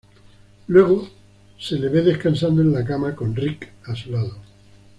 Luego se la ve descansando en la cama, con Rick a su lado.